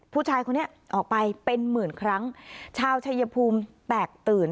ผู้ชายคนนี้ออกไปเป็นหมื่นครั้งชาวชายภูมิแตกตื่น